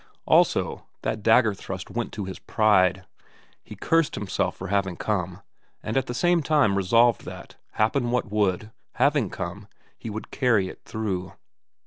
Also, that dagger thrust went to his pride. He cursed himself for having come, and at the same time resolved that, happen what would, having come, he would carry it through.